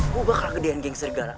gue bakal gedein geng serigala